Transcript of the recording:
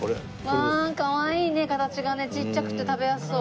わあかわいいね形がねちっちゃくて食べやすそう。